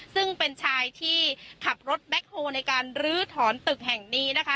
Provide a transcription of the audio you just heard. ซึ่งเป็นชายที่ขับรถแบ็คโฮลในการลื้อถอนตึกแห่งนี้นะคะ